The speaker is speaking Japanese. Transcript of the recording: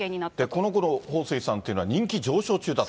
このころ、彭帥さんというのは人気上昇中だった。